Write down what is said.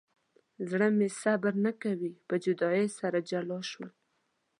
زړه مې صبر نه کوي په جدایۍ سره جلا شول.